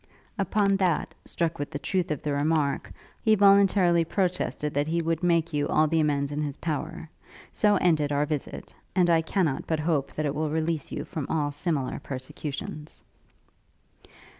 Upon that, struck with the truth of the remark, he voluntarily protested that he would make you all the amends in his power. So ended our visit; and I cannot but hope that it will release you from all similar persecutions.'